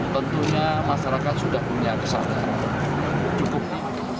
tentunya masyarakat sudah punya kesadaran cukup tinggi